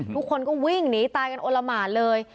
ทุกคนไปวิ่งแล้วตายกันโอระหมานเลย